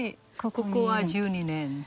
ここは１２年。